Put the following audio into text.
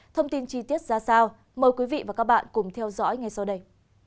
thông tin chi tiết ra sao mời quý vị và các bạn cùng theo dõi ngay sau đây